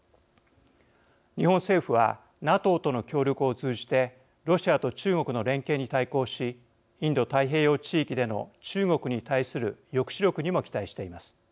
日本政府はＮＡＴＯとの協力を通じてロシアと中国の連携に対抗しインド太平洋地域での中国に対する抑止力にも期待しています。